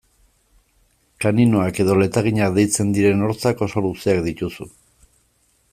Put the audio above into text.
Kaninoak edo letaginak deitzen diren hortzak oso luzeak dituzu.